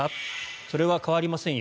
それは変わりませんよ